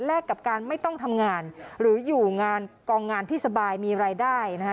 กับการไม่ต้องทำงานหรืออยู่งานกองงานที่สบายมีรายได้นะคะ